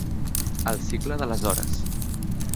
El cicle de les hores.